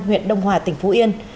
huyện đông hòa tỉnh phú yên